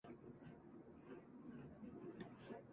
ページをめくる手は止まることはなく、表紙が閉じられることはなく